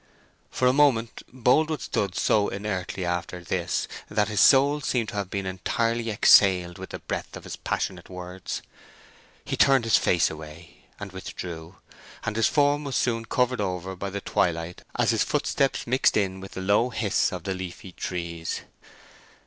For a moment Boldwood stood so inertly after this that his soul seemed to have been entirely exhaled with the breath of his passionate words. He turned his face away, and withdrew, and his form was soon covered over by the twilight as his footsteps mixed in with the low hiss of the leafy trees.